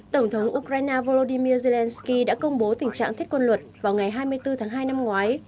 tổng thống ukraine volodymyr zelensky đã công bố tình trạng thiết quân luật vào ngày hai mươi bốn tháng hai năm ngoái